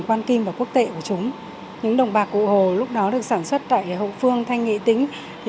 quan kim và quốc tệ của chúng những đồng bạc cụ hồ lúc đó được sản xuất tại hậu phương thanh nghị tính thì